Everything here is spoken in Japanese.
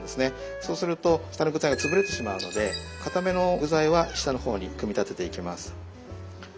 そうすると下の具材が潰れてしまうのでかための具材は下の方に組み立てていきます。